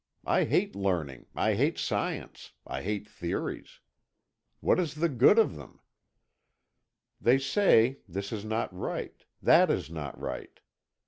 I hate learning, I hate science, I hate theories. What is the good of them? They say, this is not right, that is not right.